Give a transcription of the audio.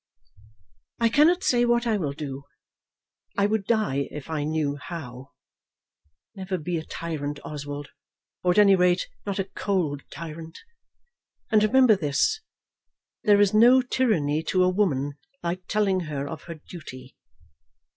"I cannot say what I will do. I would die if I knew how. Never be a tyrant, Oswald; or at any rate, not a cold tyrant. And remember this, there is no tyranny to a woman like telling her of her duty.